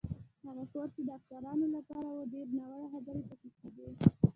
هغه کور چې د افسرانو لپاره و، ډېرې ناوړه خبرې پکې کېدې.